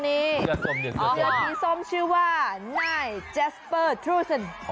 พี่ฝรั่งคนนี้เชื้อเขียวส้มชื่อว่านายแจสเบอร์ทรูซัน